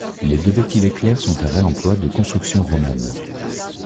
Les deux baies qui l’éclairent sont un réemploi de construction romane.